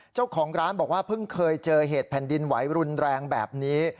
เจ้าของร้านบอกว่าเพิ่งเคยเจอเหตุแผ่นดินไหวรุนแรงแบบนี้